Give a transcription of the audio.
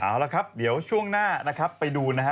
เอาละครับเดี๋ยวช่วงหน้านะครับไปดูนะฮะ